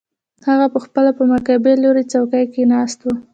هغه پخپله په مقابل لوري څوکۍ کې ناست و